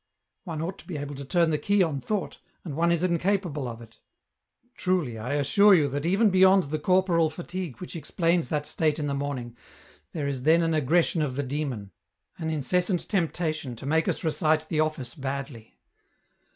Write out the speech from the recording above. *' One ought to be able to turn the key on thought, and one is incapable of it. "Truly, I assure you that even beyond the corporal fatigue which explains that state in the morning, there is then an aggression of the demon, an incessant temptation to make us recite the office badly."